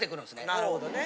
なるほどね。